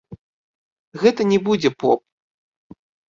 Гэта не будзе поп.